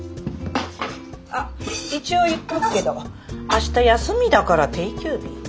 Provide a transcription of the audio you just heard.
あっ一応言っとくけど明日休みだから定休日。